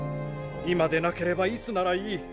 今でなければいつならいい？